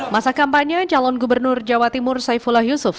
masa kampanye calon gubernur jawa timur saifullah yusuf